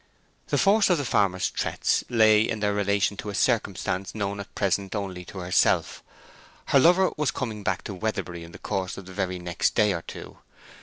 The force of the farmer's threats lay in their relation to a circumstance known at present only to herself: her lover was coming back to Weatherbury in the course of the very next day or two.